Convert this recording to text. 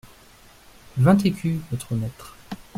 Vingt écus, notre maître.